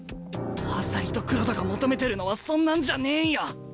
朝利と黒田が求めてるのはそんなんじゃねえんや。